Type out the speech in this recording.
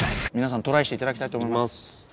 皆さんトライしていただきたいと思います。